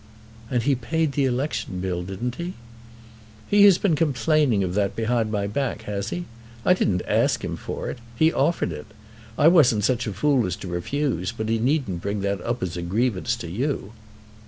"And he paid the election bill; didn't he?" "He has been complaining of that behind my back, has he? I didn't ask him for it. He offered it. I wasn't such a fool as to refuse, but he needn't bring that up as a grievance to you."